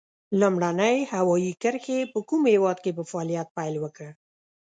لومړنۍ هوایي کرښې په کوم هېواد کې په فعالیت پیل وکړ؟